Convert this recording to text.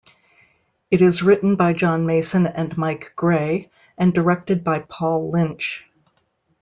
It is written by John Mason and Mike Gray, and directed by Paul Lynch.